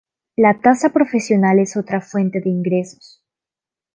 La tasa profesional es otra fuente de ingresos.